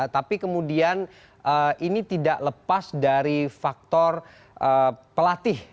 tapi kemudian ini tidak lepas dari faktor pelatih